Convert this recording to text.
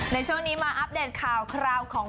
ในช่วงนี้มาอัปเดตข่าวคราวของ